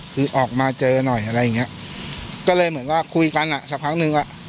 คือออกมาเจอหน่อยอะไรอย่างเงี้ยก็เลยเหมือนว่าคุยกันอ่ะสักพักหนึ่งอ่ะ